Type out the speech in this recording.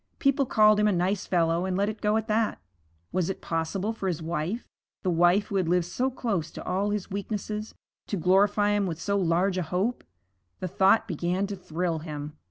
People called him a nice fellow and let it go at that. Was it possible for his wife, the wife who had lived so close to all his weaknesses, to glorify him with so large a hope? The thought began to thrill him.